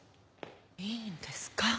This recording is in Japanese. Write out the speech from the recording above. いいんですか？